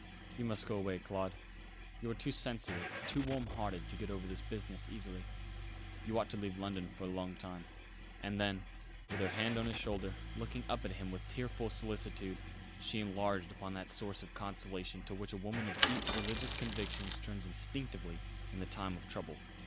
"You must go away, Claude. You are too sensitive, too warm hearted to get over this business easily. You ought to leave London for a long time." And then, with her hand on his shoulder, looking up at him with tearful solicitude, she enlarged upon that source of consolation to which a woman of deep religious convictions turns instinctively in the time of trouble.